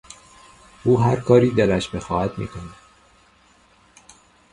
او هر کاری دلش بخواهد میکند.